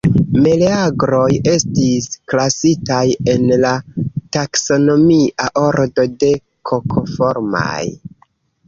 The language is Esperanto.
Meleagroj estis klasitaj en la taksonomia ordo de Kokoformaj.